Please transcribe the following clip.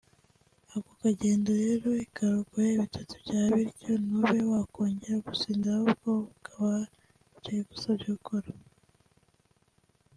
Ako kagendo rero karogoya ibitotsi byawe bityo ntube wakongera gusinzira ahubwo ukubaha ibyo igusabye gukora